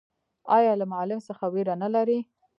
ایا له معلم څخه ویره نلري؟